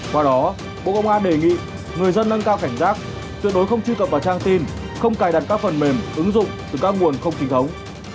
qua đó bộ công an đề nghị người dân nâng cao cảnh giác tuyệt đối không truy cập vào trang tin không cài đặt các phần mềm ứng dụng từ các nguồn không chính thống